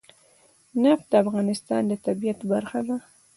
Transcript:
نفت د افغانستان د طبیعت برخه ده.